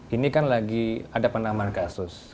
ini kan lagi ada penambahan kasus